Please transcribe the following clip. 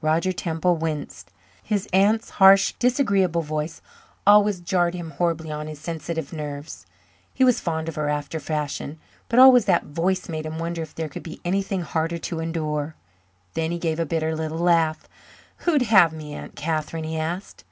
Roger Temple winced. His aunt's harsh, disagreeable voice always jarred horribly on his sensitive nerves. He was fond of her after a fashion, but always that voice made him wonder if there could be anything harder to endure. Then he gave a bitter little laugh. "Who'd have me, Aunt Catherine?" he asked.